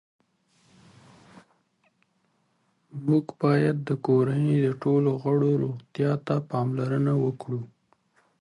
موږ باید د کورنۍ د ټولو غړو روغتیا ته پاملرنه وکړو